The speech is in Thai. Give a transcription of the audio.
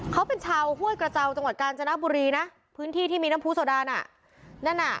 เขาเป็นชาวห้วยกระเจ้าจังหวัดกาญจนบุรีนะพื้นที่ที่มีน้ำผู้โซดาน่ะนั่นอ่ะ